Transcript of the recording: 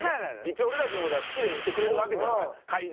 一応俺たちの事が好きでいてくれるわけじゃない。